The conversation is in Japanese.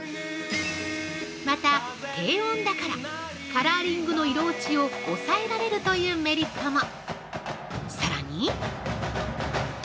◆また、低温だから、カラーリングの色落ちを抑えられるというメリットも。